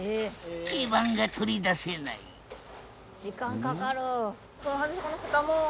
基板が取り出せない時間かかる。